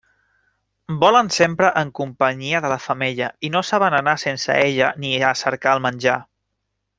Volen sempre en companyia de la femella, i no saben anar sense ella ni a cercar el menjar.